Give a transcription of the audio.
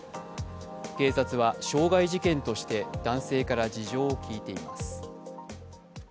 警察は傷害事件として男性から事情を聴いています。